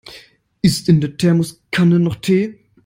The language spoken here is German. Ist in der Thermoskanne noch Tee?